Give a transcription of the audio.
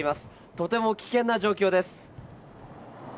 とても危険な状況です。